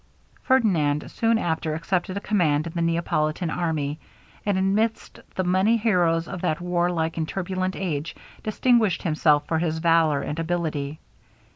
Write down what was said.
Ferdinand soon after accepted a command in the Neapolitan army; and amidst the many heroes of that warlike and turbulent age, distinguished himself for his valour and ability.